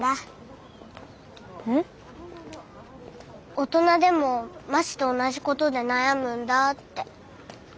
大人でもまちと同じことで悩むんだって。